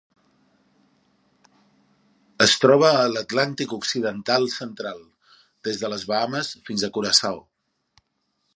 Es troba a l'Atlàntic occidental central: des de les Bahames fins a Curaçao.